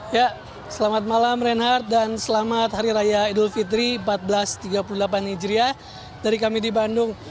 ya selamat malam reinhardt dan selamat hari raya idul fitri seribu empat ratus tiga puluh delapan hijriah dari kami di bandung